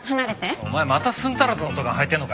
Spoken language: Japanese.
お前また寸足らずのドカンはいてんのか。